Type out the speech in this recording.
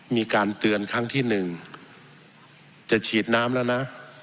มีการเตือนครั้งที่หนึ่งจะฉีดน้ำแล้วนะ